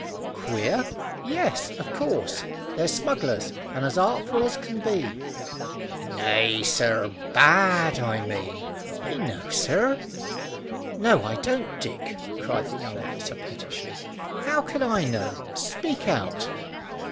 "Queer? Yes, of course. They're smugglers, and as artful as can be." "Nay, sir, bad, I mean you know, sir." "No, I don't, Dick," cried the young officer pettishly. "How can I know? Speak out."